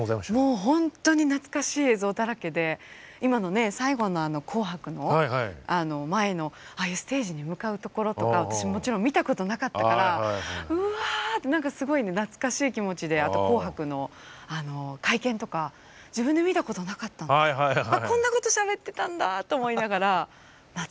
もうほんとに懐かしい映像だらけで今のね最後の「紅白」の前のああいうステージに向かうところとか私もちろん見たことなかったからうわあ何かすごい懐かしい気持ちであと「紅白」の会見とか自分で見たことなかったのでこんなことしゃべってたんだぁと思いながら懐かしかったです。